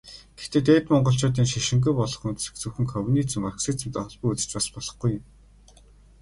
Гэхдээ Дээд Монголчуудын шашингүй болох үндсийг зөвхөн коммунизм, марксизмтай холбон үзэж бас болохгүй юм.